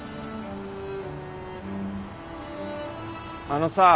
あのさぁ。